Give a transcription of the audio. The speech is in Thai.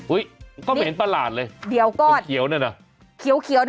อุ้ยก็ไปละนะเลยเดี๋ยวก่อนเขียวนี่แหล่ะ